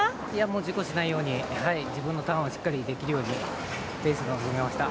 事故しないように、自分のターンをしっかりできるようにレースに臨みました。